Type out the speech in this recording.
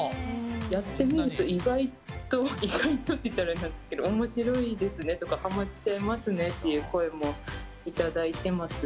やってみると、意外と、意外とって言ったらあれなんですけど、おもしろいですねとか、はまっちゃいますねっていう声もいただいてます。